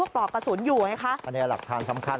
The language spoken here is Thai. ก็คิดว่ามันไม่เหมาะเราครับ